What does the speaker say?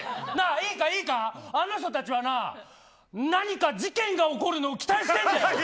いいか、いいかあの人たちが何か事件が起きるのを期待してんだよ！